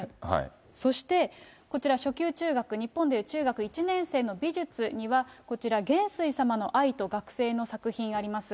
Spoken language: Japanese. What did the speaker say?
そしてこちら初級中学、日本でいう中学１年生の美術には、こちら元帥様の愛と学生の作品あります。